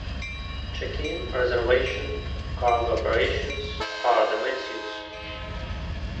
Check-In, Reservation, Cargo operations are the main suites.